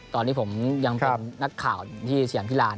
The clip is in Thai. ตอนนี้ผมยังเป็นนักข่าวที่เซียมภิลา